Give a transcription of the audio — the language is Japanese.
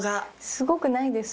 すごくないです。